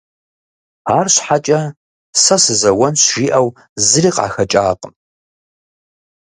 АрщхьэкӀэ, сэ сызэуэнщ жиӀэу зыри къахэкӀакъым.